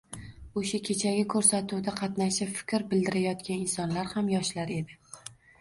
O‘sha kechagi ko‘rsatuvda qatnashib, fikr bildirayotgan insonlar ham — yoshlar edi...